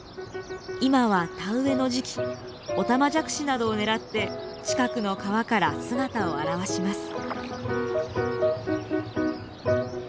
今は田植えの時期オタマジャクシなどを狙って近くの川から姿を現します。